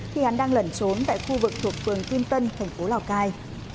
khi hắn đang lẩn trốn tại khu vực thuộc phường kim tân thành phố lào cai